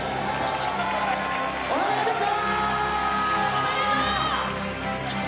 おめでとう！